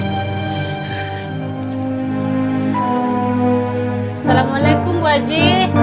assalamualaikum mba haji